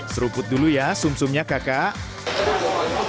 seruput dulu ya sum sumnya kakak